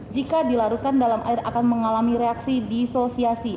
jika dilarutkan dalam air akan mengalami reaksi disosiasi